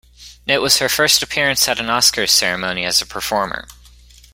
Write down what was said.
It was her first appearance at an Oscars ceremony as a performer.